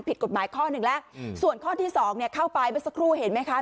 ผิดกฎหมายข้อหนึ่งแล้วส่วนข้อที่สองเนี่ยเข้าไปเมื่อสักครู่เห็นไหมคะ